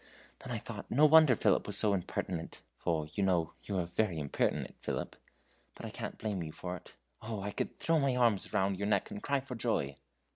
then I thought, no wonder Philip was so impertinent for, you know, you were very impertinent, Philip, but I can't blame you for it. Oh, I could throw my own arms round your neck and cry for joy."